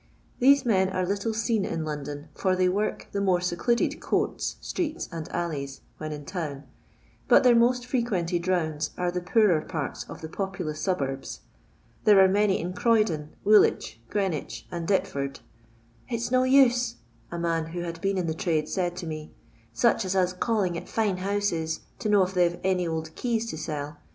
These men are little seen in London, for they " work " the more secluded courts, streets, and alleys, when in town ; but their most fre quented rounds are the poorer parts of the populous suburbs. There are many in Croydon, Woolwich, Greenwich, and Deptford. " It 's no use," a man who had been in the trade said to me, " such as us calling at fine houses to know if they 'vc any old keys to sell